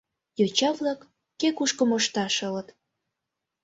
Йоча-влак, кӧ кушко мошта, шылыт.